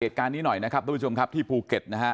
เกตการณ์นี้หน่อยครับทุกวันชุมครับที่ภูเกต